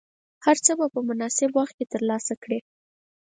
هر څه به په مناسب وخت کې ترلاسه کړې.